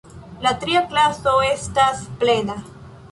La tria klaso estas plena.